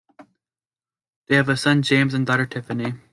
They have a son James and daughter Tiffany.